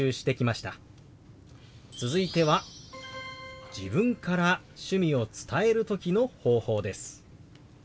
続いては自分から趣味を伝える時の方法です。